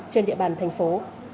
trên địa bàn thành phố